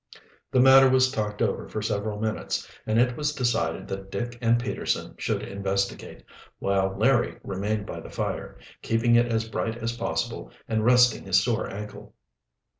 The matter was talked over for several minutes, and it was decided that Dick and Peterson should investigate, while Larry remained by the fire, keeping it as bright as possible and resting his sore ankle.